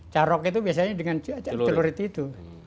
carok itu biasanya dengan cuaca celurit itu